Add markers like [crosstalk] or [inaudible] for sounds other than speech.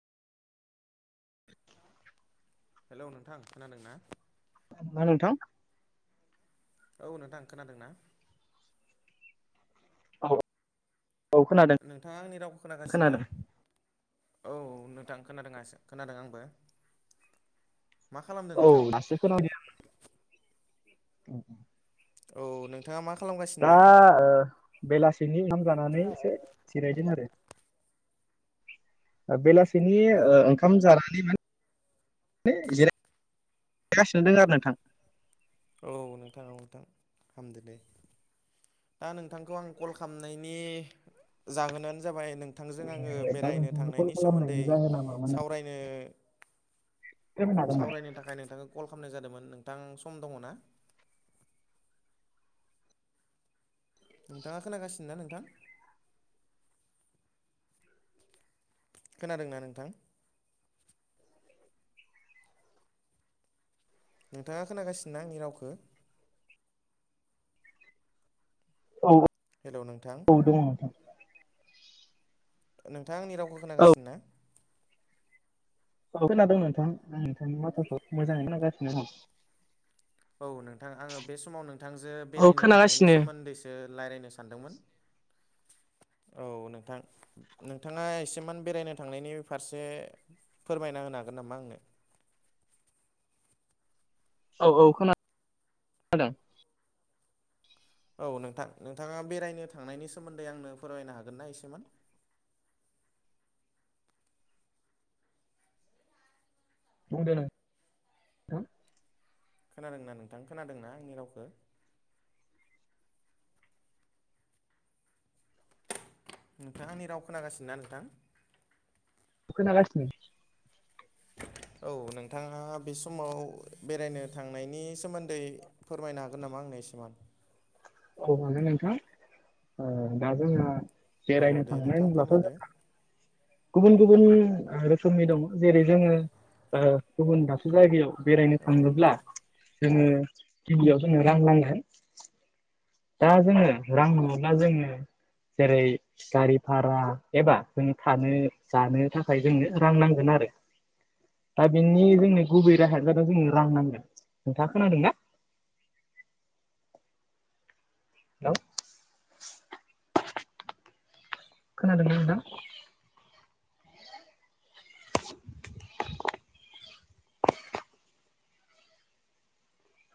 [inaudible] Hello नोंथां खोनादों ना? खोनादों नोंथां? औ नोंथां खोनादों ना? औ औ खोनादों नोंथाङा आंनि रावखौ खोनागासिनो ना? खोनादों औ नोंथां खोनादों खोनादों आंबो। मा खालामदों नोंथां औ दासो खोनादों। औ औ नोंथाङा मा खालामगासिनो दा? दा ओ बेलासिनि ओंखाम जानानै एसे जिरायदों आरो। बेलासिनि औ ओ‌ ओंखाम जानानै मा [unintelligible] [unintelligible] औ नोंथां औ नोंथां हामदो दे। दा नोंथांखौ आं कल खालामनायनि जाहोनानो जाबाय नों नोंथांजों आङो दा बेरायनो नोंथांनो कल थांनायनि खालामनायनि सोमोन्दै जाहोना मामोन नोंथाङा सावरायनो फोरमायनो हागोन नामा सावरायनो थाखाय नोंथांखौ कल खालामनाय जादोंमोन नोंथां सम दङना? नोंथाङा खोनागासिनो ना नोंथां? खोनादोंना नोंथां? नोंथाङा खोनागासिनोना आंनि रावखौ? औ हेलौ नोंथां [unintelligible] नोंथांङा आंनि रावखौ औ खोनागासिनो ना? औ खोनादोंं नोंथां आं नोंथांनि माथोखौ मोजाङैनो खोनागासिनो दं। औ नोंथां आङो बे समाव नोंथांजो औ बेरायनो थांनायनि खोनागासिनो सोमोन्दै सो रायलायनो सानदोंमोन औ नोंथां। नोंथाङा एसेमान बेरायनो थांनायनि फारसे फोरमायना होनो हागोन नामा आंनो? औ औ खोना औ नोंथां नोंथाङा बेरायनो थांनायनि सोमोन्दै आंनो फोरमायनो हागोनना एसेमान? बुंदों नों खोनादों ना नोंथां खोनादोंना आंनि रावखो? नोंथां आंनि राव खोनागासिनोना नोंथां? खोनागासिनो। औ नोंथाङा बे समाव बेरायनो थांनायनि सोमोन्दै फोरमायनो हागोन नामा आंनो एसेमान? औ हागोन नोंथां ओ दा जोंहा औ बेरायनो दे थांनाय नोंथां होनब्लाथ' फोरमायदो जोंहा गुबुन गुबुन ओ रोखोमनि दङ जेरै जोङो ओ गुबुन दाबसे जायगायाव बेरायनो औ थांनोब्ला नोंथां जोंङो गिबियाव जोंनो रां नांगोन। दा जोङो रां नंङाब्ला जोङो जेरै गारि भारा एबा जों थानो जानो थाखाय जोंनो रां नांगोन आरो। दा बिनि जोंनि गुबै राहायानो‌ जादों जोंनो रां नांगोन नोंथाङा खोनादों ना? हेल'। खोनादोंना नोंथां?